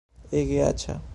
Ege aĉa